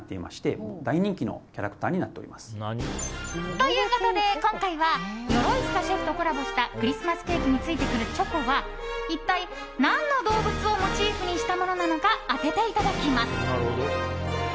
ということで、今回は鎧塚シェフとコラボしたクリスマスケーキについてくるチョコは一体、何の動物をモチーフにしたものなのか当てていただきます。